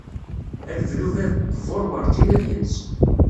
Aleblub aqbur werǧin ad yens.